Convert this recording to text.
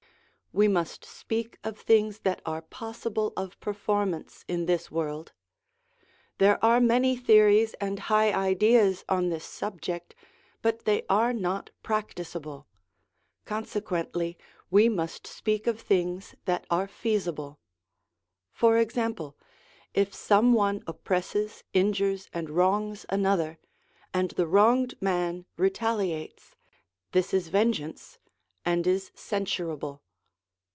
We must speak of things that are possible of per formance in this world. There are many theories and high ideas on this subject, but they are not practicable; consequently we must speak of things that are feasible. For example, if some one oppresses, injures, and wrongs another, and the wronged man retaliates, this is vengeance, and is censurable.